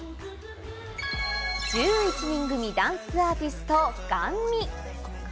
１１人組ダンスアーティスト・ＧＡＮＭＩ。